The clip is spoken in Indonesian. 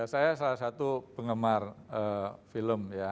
saya salah satu penggemar film ya